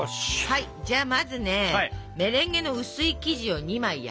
はいじゃあまずねメレンゲの薄い生地を２枚焼きますよ。